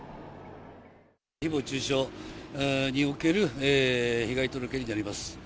ひぼう中傷における被害届になります。